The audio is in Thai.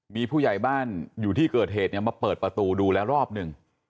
มีผู้ใหญ่บ้านอยู่ที่เกิดเหตุเนี่ยมาเปิดประตูดูแล้วรอบหนึ่ง